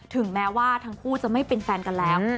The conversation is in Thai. ถึงแม้ว่าทั้งคู่จะไม่เป็นแฟนกันแล้ว